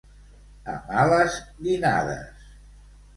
A males dinades.